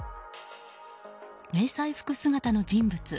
迷彩服姿の人物。